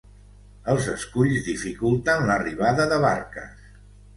Els esculls dificulten l'arribada de barques.